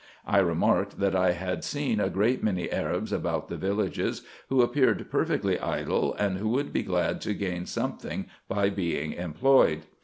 I remarked, that I had seen a great many Arabs about the villages, who appeared perfectly idle, and who would be glad to gain something by being employed.